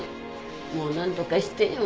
もうなんとかしてよ。